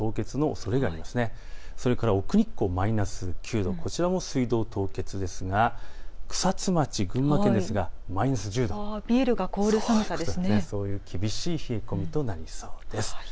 それから奥日光マイナス９度、こちらも水道凍結ですが草津町群馬県マイナス１０度、ビールが凍る寒さ、そういう厳しい冷え込みとなりそうです。